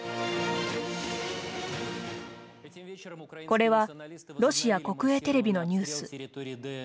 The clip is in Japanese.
これは、ロシア国営テレビのニュース。